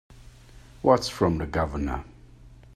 What's from the Governor?